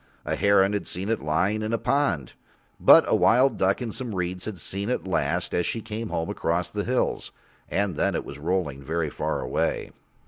A heron had seen it lying in a pond, but a wild duck in some reeds had seen it last as she came home across the hills, and then it was rolling very far away.